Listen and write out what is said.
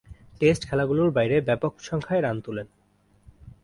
Test খেলাগুলোর বাইরে ব্যাপকসংখ্যায় রান তুলেন।